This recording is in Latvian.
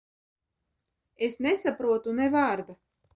Es nesaprotu ne vārda.